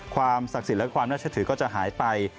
ความศักดิ์สิทธิ์และความน่าเชื่อถือก็จะหายไป